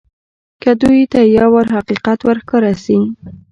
که دوى ته يو وار حقيقت ورښکاره سي.